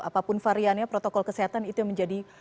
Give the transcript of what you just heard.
apapun variannya protokol kesehatan itu yang menjadi